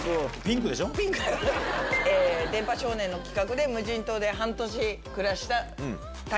『電波少年』の企画で無人島で半年暮らした。